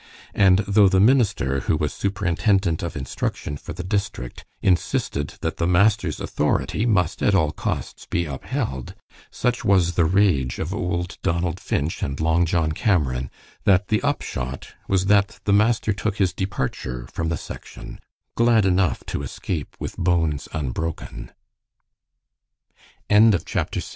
And though the minister, who was superintendent of instruction for the district, insisted that the master's authority must, at all costs, be upheld, such was the rage of old Donald Finch and Long John Cameron that the upshot was that the master took his departure from the section, glad enough to escape with bones unbroken. CHAPTER VII FOXY A